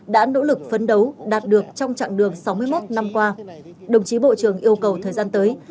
đã nỗ lực phấn đấu đạt được trong trạng đường sáu mươi một năm qua